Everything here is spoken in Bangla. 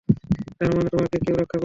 তার মানে তোমাকে কেউ রক্ষা করছে।